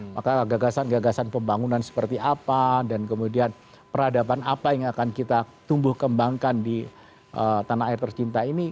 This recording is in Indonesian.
maka gagasan gagasan pembangunan seperti apa dan kemudian peradaban apa yang akan kita tumbuh kembangkan di tanah air tercinta ini